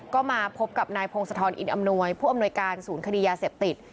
ก็มาพบกับนายพงศธรอินอำนวยผู้อำนวยการศูนย์คดียาเสพติด